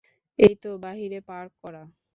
এইতো বাহিরে পার্ক করা।